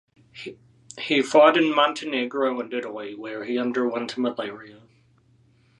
He fought in Montenegro and Italy where he underwent malaria.